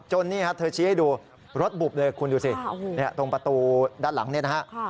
จนเธอชี้ให้ดูรถบุบเลยคุณดูสิตรงประตูด้านหลังนี่นะครับ